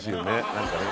何かね